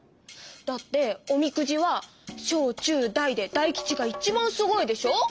だっておみくじは小中大で大吉がいちばんすごいでしょ？